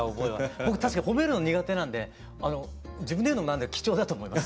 僕確かに褒めるのは苦手なんで自分で言うのも何だけど貴重だと思います。